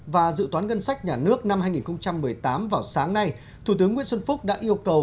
và dự toán ngân sách nhà nước năm hai nghìn một mươi tám vào sáng nay thủ tướng nguyễn xuân phúc đã yêu cầu